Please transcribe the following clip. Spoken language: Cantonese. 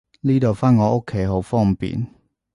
呢度返我屋企好方便